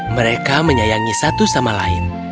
mereka menyayangi satu sama lain